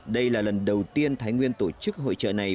đây là lần đầu tiên thái nguyên tổ chức hội trợ này